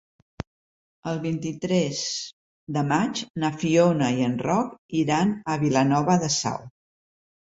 El vint-i-tres de maig na Fiona i en Roc iran a Vilanova de Sau.